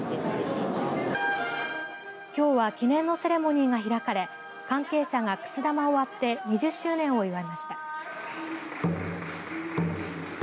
きょうは記念のセレモニーが開かれ関係者がくす玉を割って２０周年を祝いました。